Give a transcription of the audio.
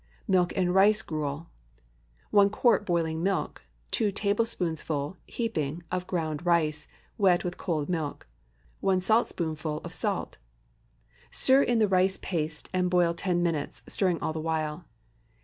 MILK AND RICE GRUEL. 1 quart boiling milk. 2 tablespoonfuls (heaping) of ground rice, wet with cold milk. 1 saltspoonful of salt. Stir in the rice paste and boil ten minutes, stirring all the while.